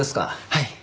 はい。